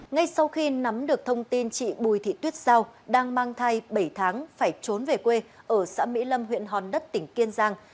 ngay sau khi nắm được thông tin chị bùi thị tuyết giao đang mang thai bảy tháng phải trốn về quê ở xã mỹ lâm huyện hòn đất tỉnh kiên giang